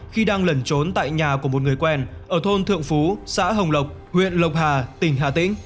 khi đang lẩn trốn tại nhà của một người quen ở thôn thượng phú xã hồng lộc huyện lộc hà tỉnh hà tĩnh